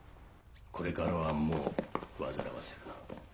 これからはもう煩わせるな。